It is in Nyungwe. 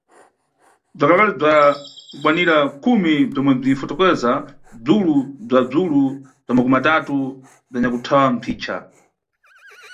Bzwakalekale bzwa kukwanira khumi bzwomwe bzwinfokotozera bzwulu bzwa bzwulu makumatanthatu bzwa anyakuthawa mphicha.